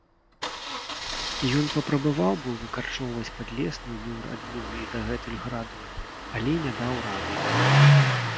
Ён папрабаваў быў выкарчоўваць падлесную неўрадлівую і дагэтуль граду, але не даў рады.